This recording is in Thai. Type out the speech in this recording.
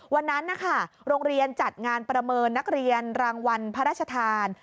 วันนั้นนะคะโรงเรียนจัดงานประเมินนักเรียนรางวัลพระราชทาน